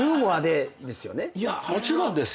もちろんですよ。